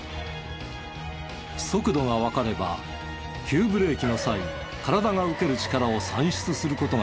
速度がわかれば急ブレーキの際体が受ける力を算出する事ができるのだ。